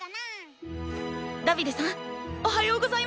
ダヴィデさんおはようございます！